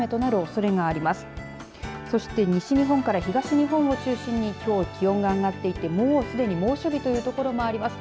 そして西日本から東日本を中心にきょう気温が上がっていてもう、すでに猛暑日という所もあります。